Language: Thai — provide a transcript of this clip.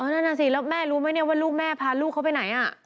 แล้วแม่รู้ไหมว่าลูกแม่พาลูกเขาไปไหน